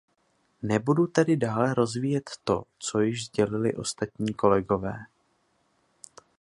Nebudu tedy dále rozvíjet to, co již sdělili ostatní kolegové.